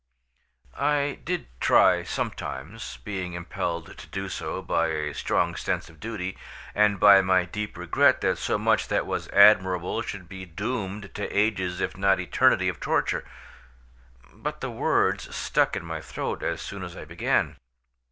I did try sometimes, being impelled to do so by a strong sense of duty, and by my deep regret that so much that was admirable should be doomed to ages if not eternity of torture; but the words stuck in my throat as soon as I began.